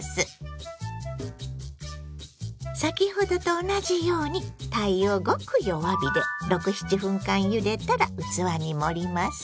先ほどと同じようにたいをごく弱火で６７分間ゆでたら器に盛ります。